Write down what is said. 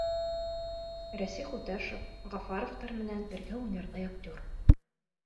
Рәсих Үтәшев, Ғафаровтар менән бергә уйнарҙай актер!